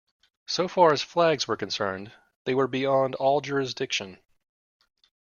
So far as flags were concerned, they were beyond all jurisdiction.